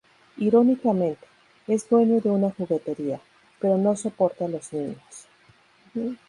Irónicamente, es dueño de una juguetería, pero no soporta a los niños.